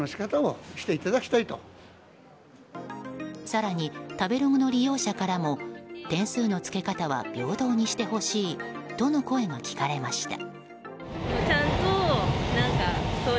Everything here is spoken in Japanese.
更に、食べログの利用者からも点数の付け方は平等にしてほしいとの声が聞かれました。